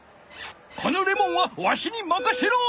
このレモンはわしにまかせろ。